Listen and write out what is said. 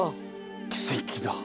奇跡だ。